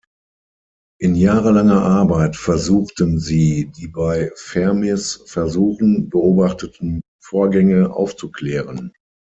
In jahrelanger Arbeit versuchten sie, die bei Fermis Versuchen beobachteten Vorgänge aufzuklären.